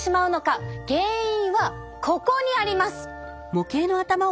原因はここにあります。